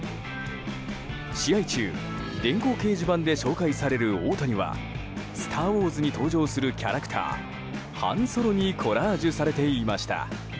試合中、電光掲示板で紹介される大谷は「スター・ウォーズ」に登場するキャラクターハン・ソロにコラージュされていました。